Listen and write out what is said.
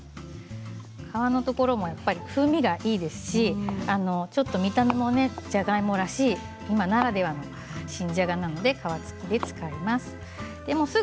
皮のところも風味がいいですし見た目もじゃがいもらしい今ならではの新じゃがなので皮付きで使います。